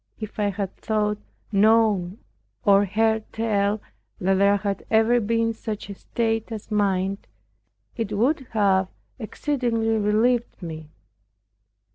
If I had thought, known, or heard tell, that there had ever been such a state as mine, it would have exceedingly relieved me.